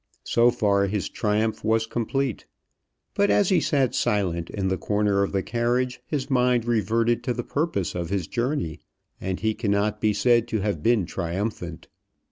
So far his triumph was complete. But as he sat silent in the corner of the carriage, his mind reverted to the purpose of his journey, and he cannot be said to have been triumphant.